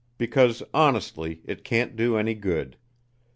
Because, honestly, it can't do any good.